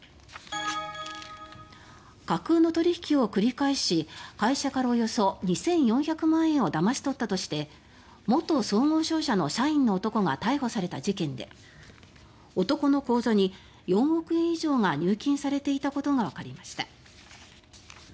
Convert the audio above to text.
架空の取引を繰り返し会社からおよそ２４００万円をだまし取ったとして元総合商社の社員の男が逮捕された事件で男の口座に４億円以上が入金されていたことがわかりました。